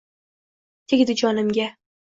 Tegdi jonimga